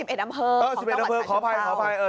เอ่อ๑๑อำเภอของจังหวัดฉาเชิงซาวเออ๑๑อำเภอขออภัย